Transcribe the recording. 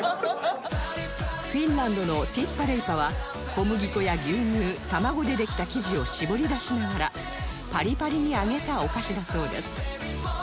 フィンランドのティッパレイパは小麦粉や牛乳卵でできた生地を絞り出しながらパリパリに揚げたお菓子だそうです